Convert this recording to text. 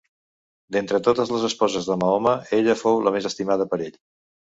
D'entre totes les esposes de Mahoma, ella fou la més estimada per ell.